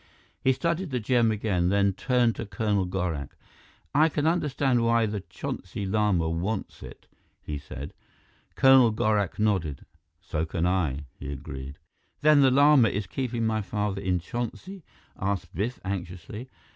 He studied the gem again, then turned to Colonel Gorak. "I can understand why the Chonsi Lama wants it," he said. Colonel Gorak nodded. "So can I!" he agreed. "Then the Lama is keeping my father in Chonsi?" asked Biff anxiously.